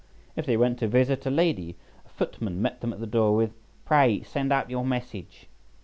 If they went to visit a lady, a footman met them at the door with "Pray, send up your message."